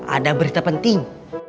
ada berita penting